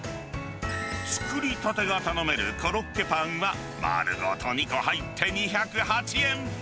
作りたてが頼めるコロッケぱんは丸ごと２個入って２０８円。